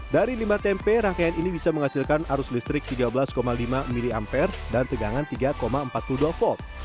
dari limbah tempe rangkaian ini bisa menghasilkan arus listrik tiga belas lima mpere dan tegangan tiga empat puluh dua volt